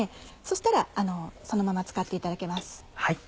したらそのまま使っていただけます。